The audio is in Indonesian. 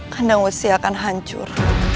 kandang usih akan hancur